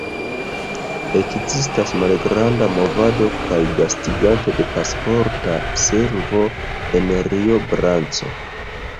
Ekzistas malgranda movado kaj gastiganto de Pasporta Servo en Rio Branco.